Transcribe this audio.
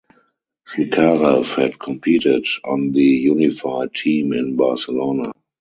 Chikarev had competed on the Unified Team in Barcelona.